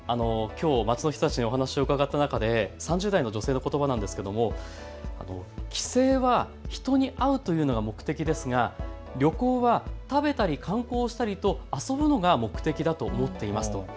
街の人たちにお話を伺った中で、３０代の女性のことばなんですが帰省は人に会うというのが目的ですが旅行は食べたり観光したりと遊ぶのが目的だと思っていますと。